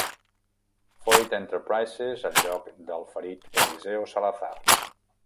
Foyt Enterprises al lloc del ferit Eliseo Salazar.